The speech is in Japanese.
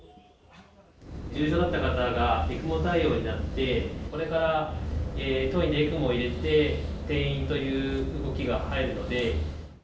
重症だった方がＥＣＭＯ対応になって、これから当院でＥＣＭＯを入れて転院という動きが入るので。